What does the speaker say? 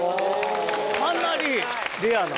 かなりレアな。